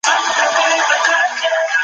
حقوقپوهان کله د اتباعو ساتنه کوي؟